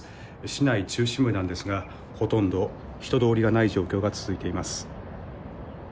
市内中心部なんですがほとんど人通りがない状況が続いています。